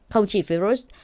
không chỉ faroes